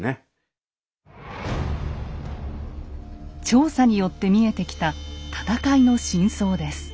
調査によって見えてきた戦いの真相です。